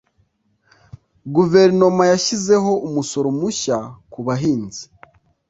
Guverinoma yashyizeho umusoro mushya ku bahinzi.